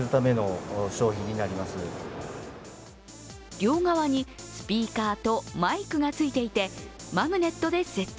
両側にスピーカーとマイクがついていてマグネットで設置。